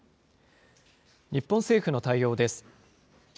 日本政府の対応です。